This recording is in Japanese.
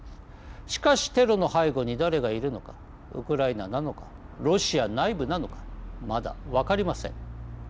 しかしテロの背後に誰がいるのかウクライナなのかロシア内部なのかまだ分かりません。